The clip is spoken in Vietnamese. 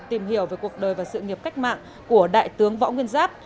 tìm hiểu về cuộc đời và sự nghiệp cách mạng của đại tướng võ nguyên giáp